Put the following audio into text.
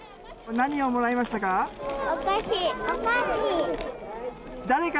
何をもらいましたか？